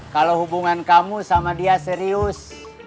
kalau hubungan kamu sama dia serius